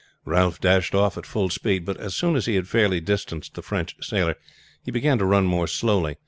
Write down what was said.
Ralph dashed off at full speed, but as soon as he had fairly distanced the French sailor he began to run more slowly.